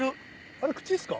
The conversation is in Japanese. あれ口ですか？